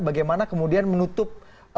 bagaimana kemudian menutup